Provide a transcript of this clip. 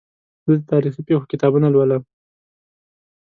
زه د تاریخي پېښو کتابونه لولم.